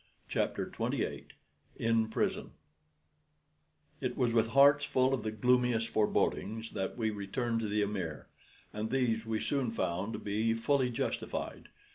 CHAPTER XXVIII IN PRISON It was with hearts full of the gloomiest forebodings that we returned to the amir, and these we soon found to be fully justified.